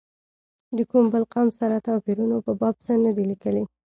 د کوم بل قوم سره توپیرونو په باب څه نه دي لیکلي.